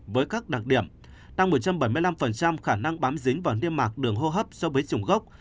với các đặc điểm tăng một trăm bảy mươi năm khả năng bám dính vào niêm mạc đường hô hấp so với chủng gốc